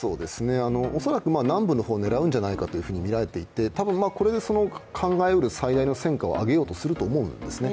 恐らく南部の方を狙うんじゃないかと見られていて多分これで考えうる最大の戦果を上げようとするんですね。